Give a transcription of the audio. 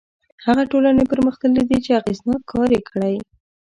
هغه ټولنې پرمختللي دي چې اغېزناک کار یې کړی.